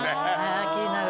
あ気になる。